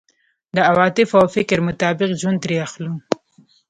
د عواطفو او فکر مطابق ژوند ترې اخلو.